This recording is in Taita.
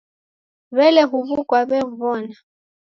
W'ele huwu mwachemw'ona?